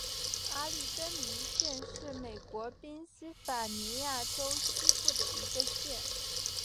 阿利根尼县是美国宾夕法尼亚州西部的一个县。